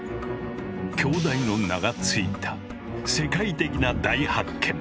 「京大」の名が付いた世界的な大発見。